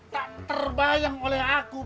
tak terbayang oleh aku